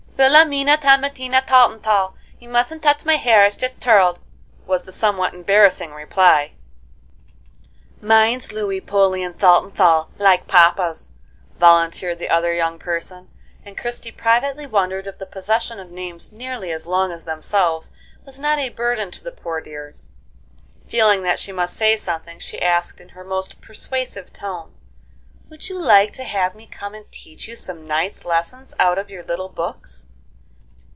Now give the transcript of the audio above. "Villamena Temmatina Taltentall. You mustn't touch my hair; it's just turled," was the somewhat embarrassing reply. "Mine's Louy 'Poleon Thaltensthall, like papa's," volunteered the other young person, and Christie privately wondered if the possession of names nearly as long as themselves was not a burden to the poor dears. Feeling that she must say something, she asked, in her most persuasive tone: "Would you like to have me come and teach you some nice lessons out of your little books?"